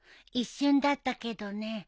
一瞬だったけどね。